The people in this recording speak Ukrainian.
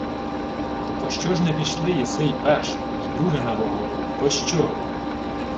— То пощо ж не пішли єси й перше, й друге на вогонь? Пощо?